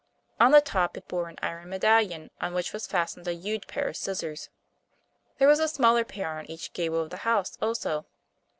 On the top it bore an iron medallion, on which was fastened a huge pair of scissors. There was a smaller pair on each gable of the house, also.